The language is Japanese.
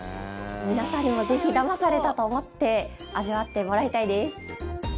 皆さんにもぜひだまされたと思って味わってもらいたいです。